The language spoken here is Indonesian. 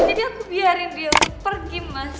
jadi aku biarin dia pergi mas